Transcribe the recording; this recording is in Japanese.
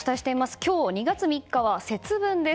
今日２月３日は節分です。